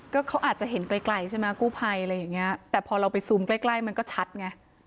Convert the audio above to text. ก็เขาอาจจะเห็นไกลใช่ไหมกู้ไพรอะไรอย่างนี้แต่พอเราไปซูมไกลมันก็ชัดไหม